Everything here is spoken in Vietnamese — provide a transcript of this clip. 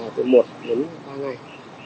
từ một đến ba ngày